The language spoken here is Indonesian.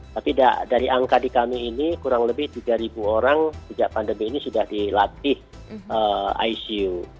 tapi dari angka di kami ini kurang lebih tiga orang sejak pandemi ini sudah dilatih icu